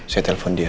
saya telepon dia